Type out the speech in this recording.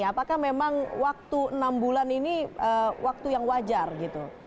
apakah memang waktu enam bulan ini waktu yang wajar gitu